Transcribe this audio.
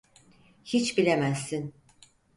Hiç bilemezsin.